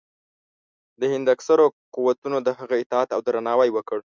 د هند اکثرو قوتونو د هغه اطاعت او درناوی وکړ.